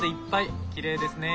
きれいですね。